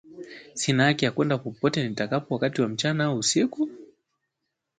Sina haki ya kwenda nipatakapo wakati wowote wa mchana au usiku?